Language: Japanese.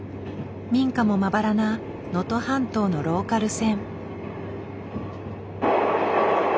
民家もまばらな能登半島のローカル線。